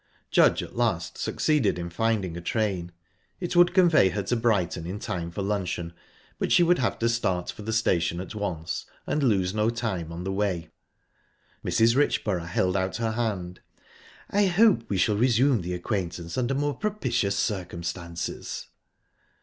Judge at last succeeded in finding a train. It would convey her to Brighton in time for luncheon, but she would have to start for the station at once, and lose no time on the way. Mrs. Richborough held out her hand. "I hope we shall resume the acquaintance under more propitious circumstances."